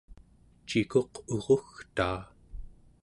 cikuq urugtaa